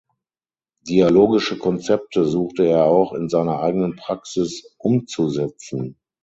Dialogische Konzepte suchte er auch in seiner eigenen Praxis umzusetzen.